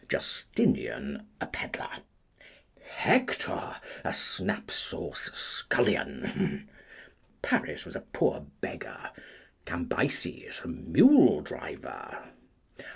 Justinian, a pedlar. Hector, a snap sauce scullion. Paris was a poor beggar. Cambyses, a mule driver.